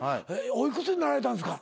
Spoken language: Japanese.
お幾つになられたんですか？